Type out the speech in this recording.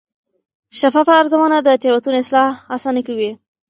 شفافه ارزونه د تېروتنو اصلاح اسانه کوي.